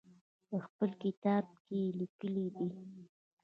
په خپل کتاب کې یې لیکلي دي.